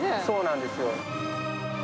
そうなんですよ。